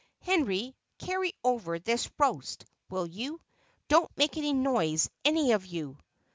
Henry, carry over this roast, will you? Don't make any noise, any of you."